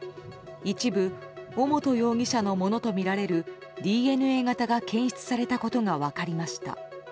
一部尾本容疑者のものとみられるＤＮＡ型が検出されたことが分かりました。